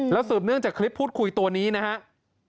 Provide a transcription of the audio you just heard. สืบเนื่องจากคลิปพูดคุยตัวนี้นะครับ